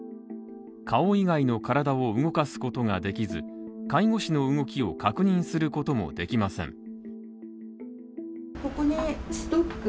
顔以外の身体を動かすことができず、介護士の動きを確認することもできません